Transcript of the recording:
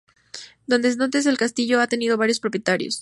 Desde entonces, el castillo ha tenido varios propietarios.